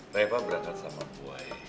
reva berangkat sama boy